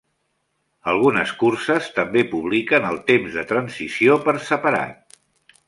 Algunes curses també publiquen els temps de transició per separat.